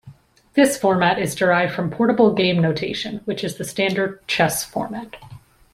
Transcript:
This format is derived from Portable Game Notation, which is the standard chess format.